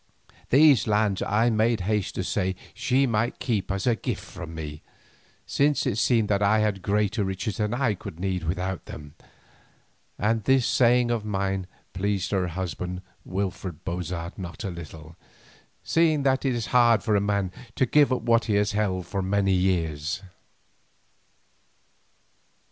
These lands I made haste to say she might keep as a gift from me, since it seemed that I had greater riches than I could need without them, and this saying of mine pleased her husband Wilfred Bozard not a little, seeing that it is hard for a man to give up what he has held for many years.